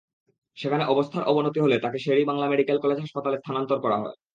সেখানে অবস্থার অবনতি হলে তাকে শের-ই-বাংলা মেডিকেল কলেজ হাসপাতালে স্থানান্তর করা হয়।